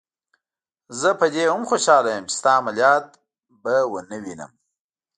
زه په دې هم خوشحاله یم چې ستا عملیات به ونه وینم.